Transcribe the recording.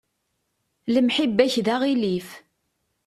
Lemḥibba-k d aɣilif.